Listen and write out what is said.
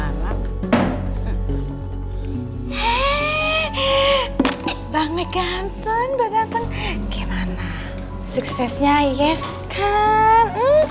heee bang mike ganteng udah ganteng gimana suksesnya yes kan